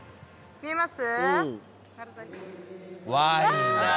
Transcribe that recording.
見えます？